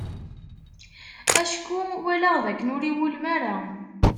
Acku walaɣ d akken ur iwulem ara.